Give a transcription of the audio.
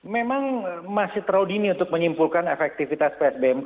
memang masih terlalu dini untuk menyimpulkan efektifitas psbmk